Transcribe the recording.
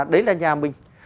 đấy là nhà mình